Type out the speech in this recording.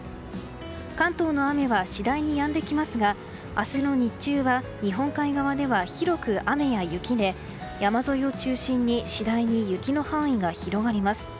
関東の雨は次第にやんできますが明日の日中は日本海側では広く雨や雪で山沿いを中心に次第に雪の範囲が広がります。